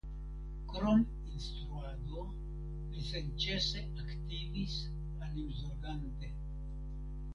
Krom instruado li senĉese aktivis animzorgante.